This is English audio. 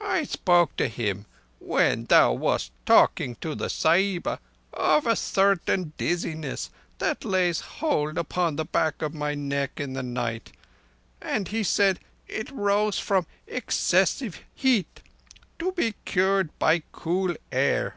I spoke to him—when thou wast talking to the Sahiba—of a certain dizziness that lays hold upon the back of my neck in the night, and he said it rose from excessive heat—to be cured by cool air.